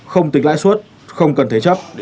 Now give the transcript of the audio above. không tính lãi suất không cần thế chấp